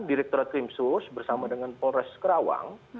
direkturat krimsus bersama dengan polres kerawang